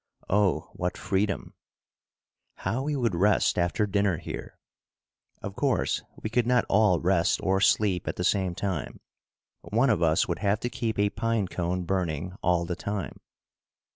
Oh, what freedom! How we would rest after dinner here! Of course we could not all rest or sleep at the same time. One of us would have to keep a pine cone burning all the time.